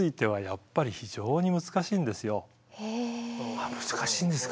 だけど難しいんですか。